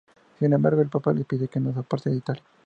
Sin embargo, el Papa le pide que no se aparte de Italia.